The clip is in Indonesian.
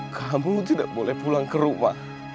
kampung tidak boleh pulang ke rumah